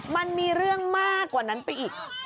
มันมีเรื่องมากกว่านั้นไปอีก